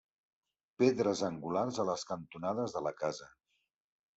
Pedres angulars a les cantonades de la casa.